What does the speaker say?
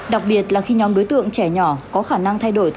đặc biệt là khi nhóm đối tượng trẻ nhỏ có khả năng thay đổi